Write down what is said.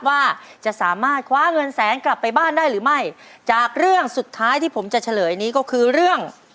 ว่าจะสามารถคว้าเงินแสนกลับไปบ้านได้หรือไม่จากเรื่องสุดท้ายที่ผมจะเฉลยนี้ก็คือเรื่อง